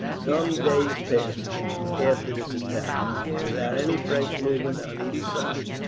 Some days passed, after this attack, without any fresh movement on either side.